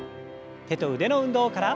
手と腕の運動から。